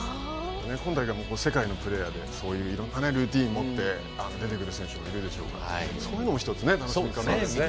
今大会も世界のプレーヤーでそういういろんなルーティーン持って出てくる選手もいるでしょうからそういうのも一つね楽しみ方ですよね。